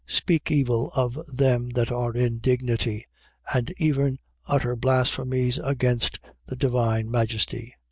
. .Speak evil of them that are in dignity; and even utter blasphemies against the divine majesty.